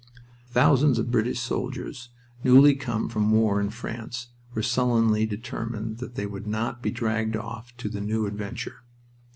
Thousands of British soldiers newly come from war in France were sullenly determined that they would not be dragged off to the new adventure.